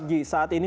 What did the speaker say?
pada saat ini